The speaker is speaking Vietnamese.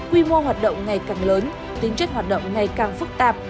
quy mô hoạt động ngày càng lớn tính chất hoạt động ngày càng phức tạp